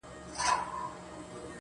سم وارخطا.